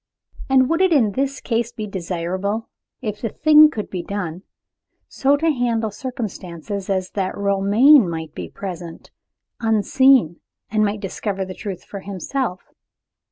And would it in this case be desirable if the thing could be done so to handle circumstances as that Romayne might be present, unseen, and might discover the truth for himself?